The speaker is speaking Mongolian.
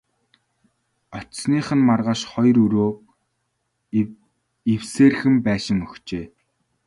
Очсоных нь маргааш хоёр өрөө эвсээрхэн байшин өгчээ.